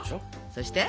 そして？